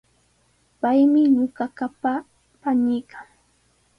Paymi ñuqaqapa paniiqa.